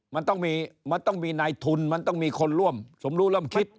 มันต้องมีนายทุนมันต้องมีคนร่วมสมรู้ร่วมคิด